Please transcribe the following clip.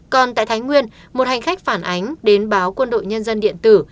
còn tại thái nguyên một hành khách phản ánh đến báo quân đội nhân dân điện tử